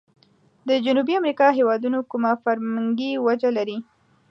د جنوبي امريکا هیوادونو کومه فرمنګي وجه لري؟